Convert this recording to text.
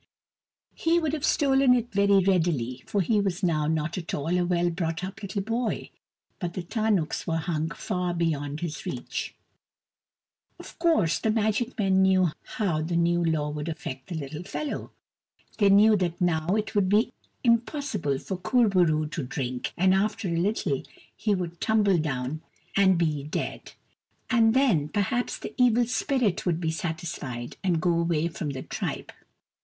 He would have stolen it very readily, for he was now not at all a well brought up little boy, but the tarnuks were hung far beyond his reach. Of course, the magic men knew how the new law would affect the little fellow. They knew that now it would be impossible for Kur bo roo to drink, and after a little he would " tumble down " and be dead ; and then, perhaps, the Evil Spirit would be satisfied, and go away from the tribe.